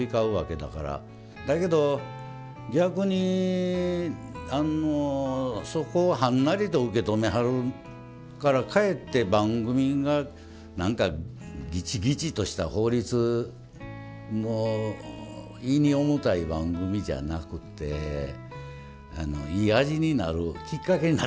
だけど逆にそこをはんなりと受け止めはるからかえって番組が何かぎちぎちとした法律の胃に重たい番組じゃなくていい味になるきっかけになったんちゃうかなと。